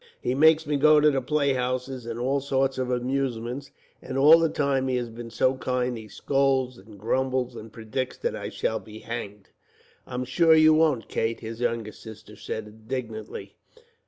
He makes me go to the playhouses, and all sorts of amusements; and all the time he has been so kind he scolds, and grumbles, and predicts that I shall be hanged." "I'm sure you won't," Kate, his youngest sister, said indignantly.